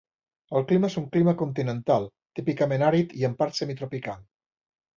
El clima és un clima continental típicament àrid i en part semi-tropical.